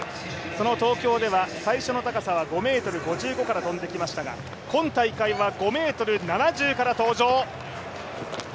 その東京では最初の高さは５ｍ５５から跳んできましたが今大会は５ｍ７０から登場。